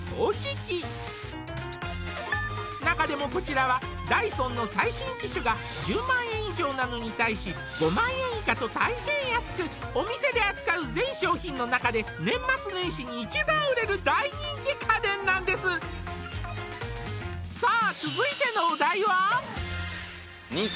機中でもこちらはダイソンの最新機種が１０万円以上なのに対し５万円以下と大変安くお店で扱う全商品の中で年末年始に一番売れる大人気家電なんですさあ